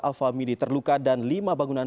alfa media terluka dan lima bangunan